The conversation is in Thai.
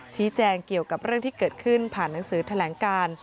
เกี่ยวกับเรื่องที่เกิดขึ้นผ่านหนังสือแถลงการ